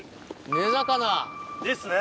根魚。ですね